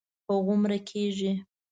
هو همدومره کېږي.